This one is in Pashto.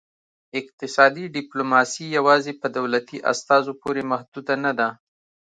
اقتصادي ډیپلوماسي یوازې په دولتي استازو پورې محدوده نه ده